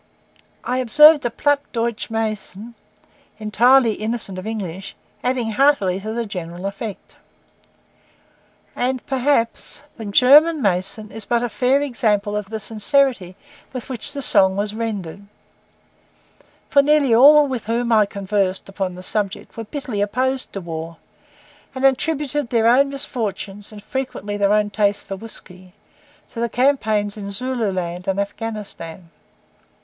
I observed a Platt Deutsch mason, entirely innocent of English, adding heartily to the general effect. And perhaps the German mason is but a fair example of the sincerity with which the song was rendered; for nearly all with whom I conversed upon the subject were bitterly opposed to war, and attributed their own misfortunes, and frequently their own taste for whisky, to the campaigns in Zululand and Afghanistan.